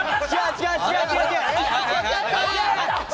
違う！